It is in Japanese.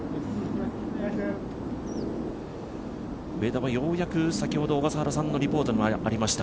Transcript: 上田もようやく先ほど小笠原さんのリポートもありました